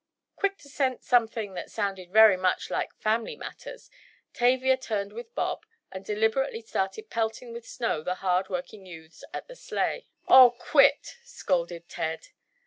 Quick to scent something that sounded very much like "family matters," Tavia turned with Bob, and deliberately started pelting with snow the hard working youths at the sleigh. "Aw! Quit!" scolded Ted.